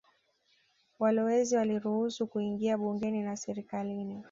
Walowezi waliruhusiwa kuingia bungeni na serikalini